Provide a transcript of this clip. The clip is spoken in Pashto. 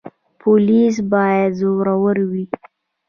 پولیس باید زړور وي